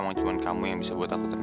emang cuma kamu yang bisa buat aku ternyata